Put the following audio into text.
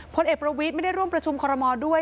พลเอกประวิทย์ไม่ได้ร่วมประชุมคอรมอลด้วย